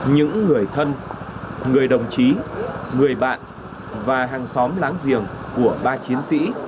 những người thân người đồng chí người bạn và hàng xóm láng giềng của ba chiến sĩ